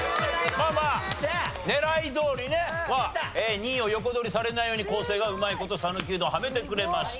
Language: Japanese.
まあまあ狙いどおりね２位を横取りされないように昴生がうまい事讃岐うどんはめてくれました。